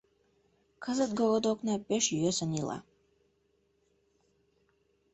Кызыт городокна пеш йӧсын ила.